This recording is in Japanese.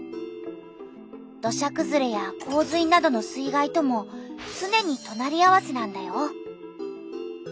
土砂くずれや洪水などの水害ともつねにとなり合わせなんだよ。